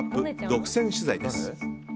独占取材です。